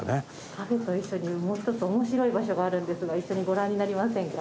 カフェと一緒にもう一つ面白い場所があるんですが一緒にご覧になりませんか？